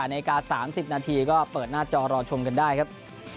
นาที๓๐นาทีก็เปิดหน้าจอรอชมกันได้ครับ